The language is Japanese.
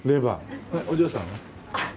お嬢さんは？あっ。